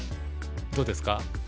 どうですか？